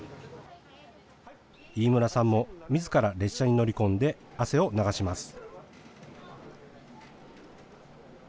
飯村さんもみずから列車に乗り込んで汗を流します。